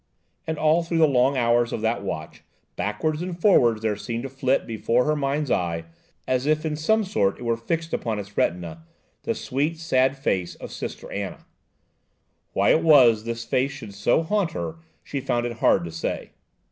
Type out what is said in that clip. And all through the long hours of that watch, backwards and forwards there seemed to flit before her mind's eye, as if in some sort it were fixed upon its retina, the sweet, sad face of Sister Anna. Why it was this face should so haunt her, she found it hard to say.